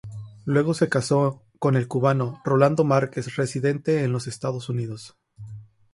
Luego se casó con el cubano Rolando Márquez, residente en los Estados Unidos.